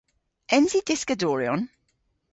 Ens i dyskadoryon?